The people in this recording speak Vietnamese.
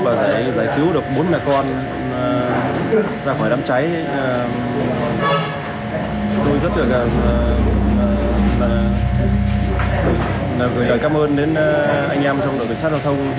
cảm ơn đến anh em trong đội kỳ sát thông thông viện